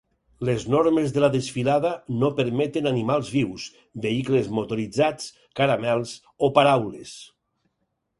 Les normes de la desfilada no permeten animals vius, vehicles motoritzats, caramels, o paraules.